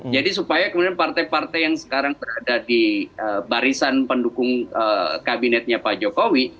jadi supaya kemudian partai partai yang sekarang berada di barisan pendukung kabinetnya pak jokowi